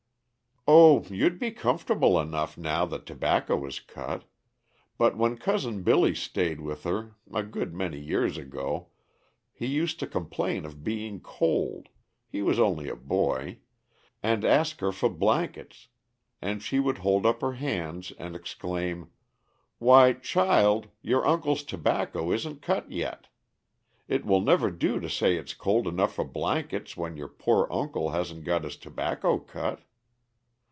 "O you'd be comfortable enough now that tobacco is cut; but when Cousin Billy staid with her, a good many years ago, he used to complain of being cold he was only a boy and ask her for blankets, and she would hold up her hands and exclaim: 'Why, child, your uncle's tobacco isn't cut yet! It will never do to say it's cold enough for blankets when your poor uncle hasn't got his tobacco cut.